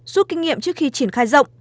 rút kinh nghiệm trước khi triển khai rộng